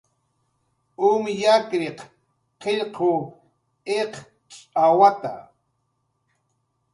Um yakriq qillqw iqcx'awata.